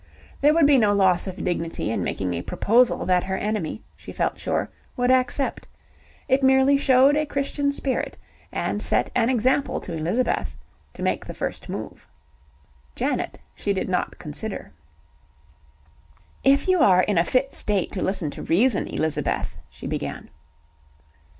There would be no loss of dignity in making a proposal that her enemy, she felt sure, would accept: it merely showed a Christian spirit, and set an example to Elizabeth, to make the first move. Janet she did not consider. "If you are in a fit state to listen to reason, Elizabeth," she began.